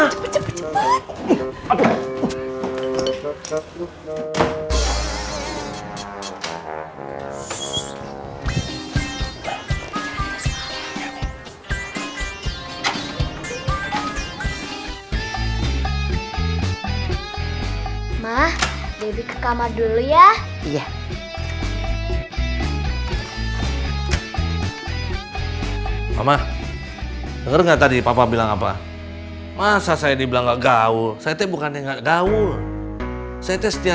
sampai jumpa di video selanjutnya